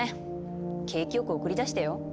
景気良く送り出してよ？